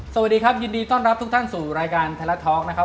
สวัสดีครับยินดีต้อนรับทุกท่านสู่รายการไทยรัฐทอล์กนะครับ